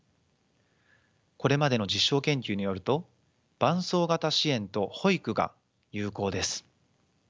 これまでの実証研究によると伴走型支援と保育が有効です。